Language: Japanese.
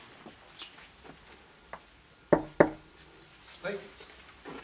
はい。